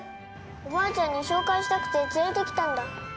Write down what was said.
おばあちゃんに紹介したくて連れてきたんだ。